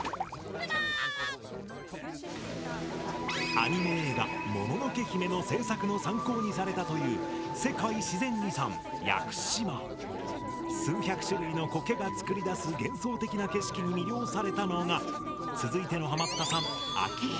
アニメ映画「もののけ姫」の制作の参考にされたという数百種類のコケが作り出す幻想的な景色に魅了されたのが続いてのハマったさんアキヒロくんだ。